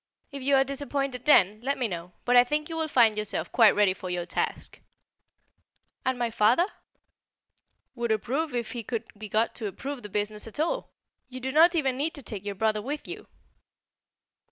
"If you are disappointed then, let me know. But I think you will find yourself quite ready for your task." "And my father?" "Would approve if he could be got to approve the business at all. You do not even need to take your brother with you."